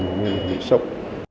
không nên bị sốc